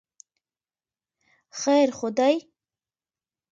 خیر خو دی.